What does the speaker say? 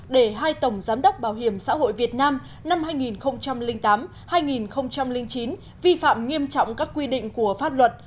để hai tổng giám đốc bảo hiểm xã hội việt nam năm hai nghìn tám hai nghìn chín vi phạm nghiêm trọng các quy định của pháp luật